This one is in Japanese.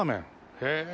へえ。